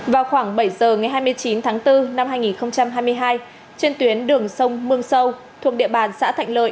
vào khoảng bảy giờ ngày hai mươi chín tháng bốn năm hai nghìn hai mươi hai trên tuyến đường sông mương sâu thuộc địa bàn xã thạnh lợi